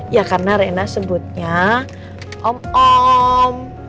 ya karena rena sebutnya om om